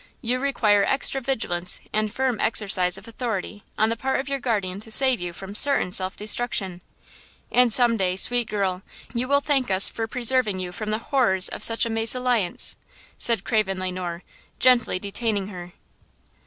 You require extra vigilance and firm exercise of authority on the part of your guardian to save you from certain self destruction. And some day, sweet girl, you will thank us for preserving you from the horrors of such a mésalliance," said Craven Le Noir, gently detaining her.